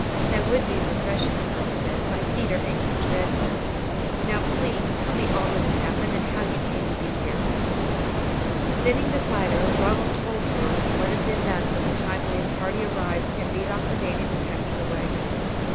"That would be refreshing," the girl said. "My feet are aching dreadfully. Now please tell me all that has happened, and how you came to be here." Sitting beside her, Ronald told her what had been done from the time when his party arrived and beat off the natives attacking the waggons.